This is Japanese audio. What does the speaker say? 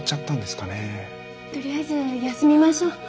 とりあえず休みましょう。